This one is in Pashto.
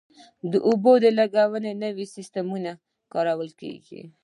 د اوبو لګولو نوي سیستمونه کارول کیږي.